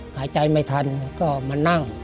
หายใจไม่ทันก็มานั่ง